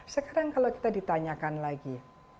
sekarang kalau kita ditanyakan lagi